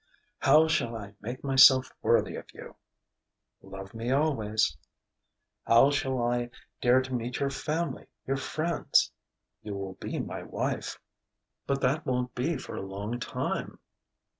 "How shall I make myself worthy of you?" "Love me always." "How shall I dare to meet your family, your friends ?" "You will be my wife." "But that won't be for a long time...."